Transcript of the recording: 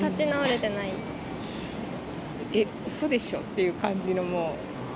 えっ、うそでしょっていう感じの、もう。